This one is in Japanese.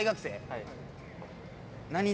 はい。